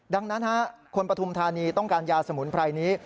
ดังนั้นคนปฐุมธานีต้องการยาสมุนไพรนี้